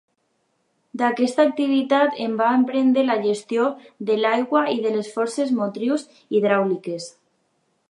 D'aquesta activitat en va aprendre la gestió de l'aigua i de les forces motrius hidràuliques.